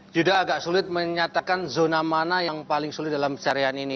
sudah agak sulit menyatakan zona mana yang paling sulit dalam pencarian ini